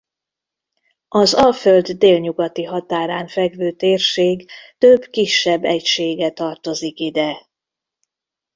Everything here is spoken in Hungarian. Az Alföld délnyugati határán fekvő térség több kisebb egysége tartozik ide.